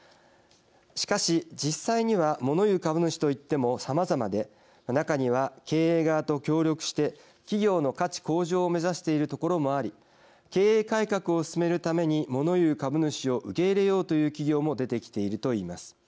しかし、実際にはもの言う株主といってもさまざまで中には経営側と協力して企業の価値向上を目指しているところもあり経営改革を進めるためにもの言う株主を受け入れようという企業も出てきているといいます。